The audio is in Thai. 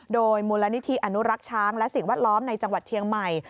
โดยมูลนิธิอนุรักษ์ช้างและสิ่งแวดล้อมในจังหวัดเชียงใหม่